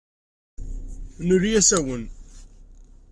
Nuli asawen.